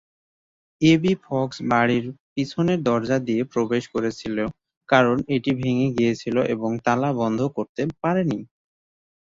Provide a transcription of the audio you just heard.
AB Fox বাড়ির পিছনের দরজা দিয়ে প্রবেশ করেছিল কারণ এটি ভেঙে গিয়েছিল এবং তালা বন্ধ করতে পারেনি।